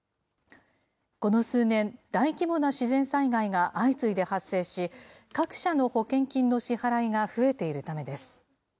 この数年、大規模な自然災害が相次いで発生し、各社の保険金の支払いが増えているためです。